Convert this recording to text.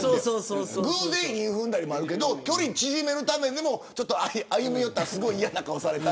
偶然、韻踏んだりもあるけど距離を縮めるためにも歩み寄ったらすごい嫌な顔される。